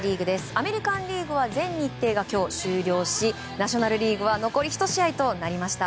アメリカン・リーグは全日程が今日、終了しナショナル・リーグは残り１試合となりました。